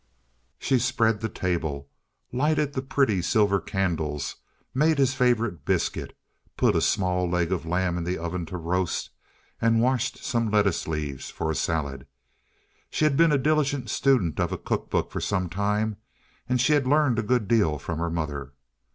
She spread the table, lighted the pretty silver candles, made his favorite biscuit, put a small leg of lamb in the oven to roast, and washed some lettuce leaves for a salad. She had been a diligent student of a cook book for some time, and she had learned a good deal from her mother.